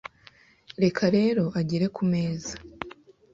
Reka rero agere ku meza,